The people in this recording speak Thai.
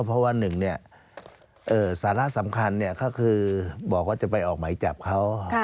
เพราะว่า๑สาระสำคัญก็คือบอกว่าจะไปออกหมายจับเขา